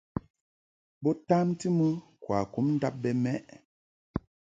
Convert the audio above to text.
Bo tamti mɨ kwakum ndab bɛ mɛʼ.